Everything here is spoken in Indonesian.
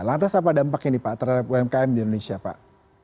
lantas apa dampak ini pak terhadap umkm di indonesia pak